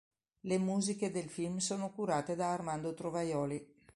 Le musiche del film sono curate da Armando Trovajoli.